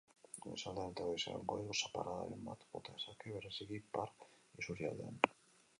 Goizaldean eta goizean goiz zaparradaren bat bota dezake, bereziki ipar isurialdean.